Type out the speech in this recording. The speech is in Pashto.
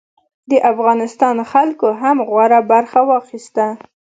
د افغانستان خلکو هم غوره برخه واخیسته.